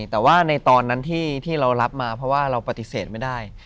แต่ว่าในตอนนั้นที่เรารับมาเพราะว่าเราปฏิเสธไม่ได้